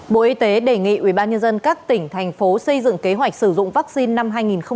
bộ y tế đề nghị ubnd các tỉnh thành phố xây dựng kế hoạch sử dụng vaccine năm hai nghìn hai mươi